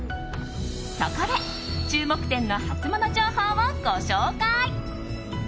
そこで、注目店のハツモノ情報をご紹介。